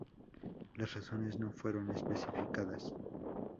Las razones no fueron especificadas.